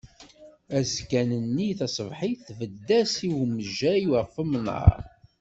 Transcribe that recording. Azekkan-nni tasebḥit tbed-as i wemjay ɣef umnar.